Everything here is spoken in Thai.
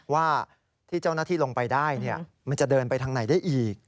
ว่าที่เจ้าหน้าที่ลงไปได้มันจะเดินไปทางไหนได้อีก